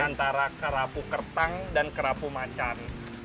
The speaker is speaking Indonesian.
antara kerapu kertang dan kerapu macan